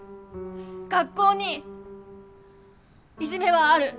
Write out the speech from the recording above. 学校にいじめはある。